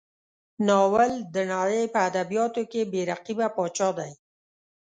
ناول د نړۍ په ادبیاتو کې بې رقیبه پاچا دی.